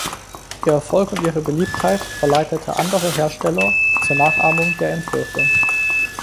Ihr Erfolg und ihre Beliebtheit verleitete andere Hersteller zur Nachahmung der Entwürfe.